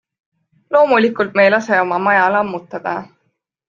Loomulikult me ei lase oma maja lammutada.